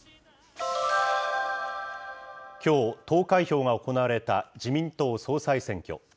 きょう、投開票が行われた自民党総裁選挙。